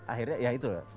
akhirnya ya itu loh